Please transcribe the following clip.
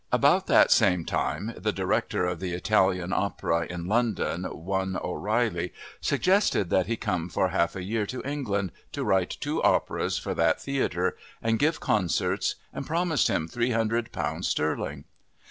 About that same time the director of the Italian Opera in London, one O'Reilly, suggested that he come for half a year to England, to write two operas for that theater and give concerts, and promised him 300 pounds sterling.